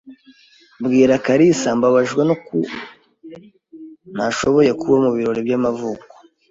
Bwira kalisa Mbabajwe nuko ntashoboye kuba mubirori by'amavuko.